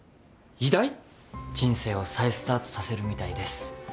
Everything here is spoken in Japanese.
人生を再スタートさせるみたいです。